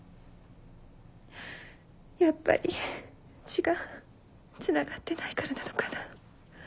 やっぱり血がつながってないからなのかな。